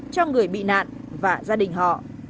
cho người bị nạn và gia đình họ